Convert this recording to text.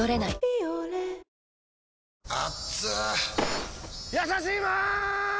「ビオレ」やさしいマーン！！